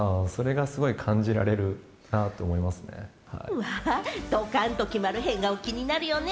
うわ、ドカンと決まる変顔、気になるよね？